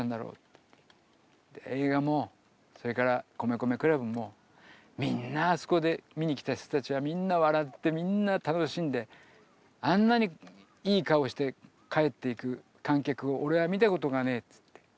映画もそれから米米ＣＬＵＢもみんなあそこで見に来た人たちはみんな笑ってみんな楽しんであんなにいい顔して帰っていく観客を俺は見たことがねえって。